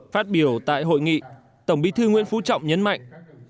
phát biểu tại hội nghị tổng bí thư nguyễn phú trọng nhấn mạnh